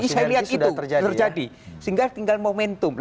sehingga tinggal momentum